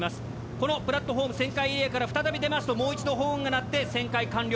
このプラットホーム旋回エリアから再び出ますともう一度ホーンが鳴って旋回完了。